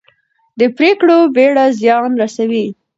د پرېکړو بېړه زیان رسوي